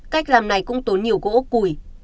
cách làm này cũng tốn nhiều gỗ củi